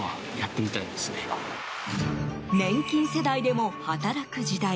年金世代でも働く時代。